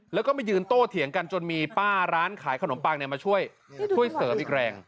แล้วก็มายืนโต้เถียงกันจนมีป้าร้านขายขนมปังมาช่วยเสริมอีกแรง